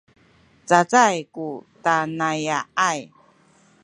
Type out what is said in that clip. cacay ku tanaya’ay